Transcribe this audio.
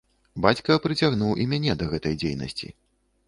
Бацька прыцягнуў і мяне да гэтай дзейнасці.